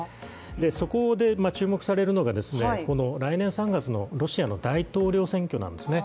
そこで注目されるのが来年３月のロシアの大統領選挙なんですね。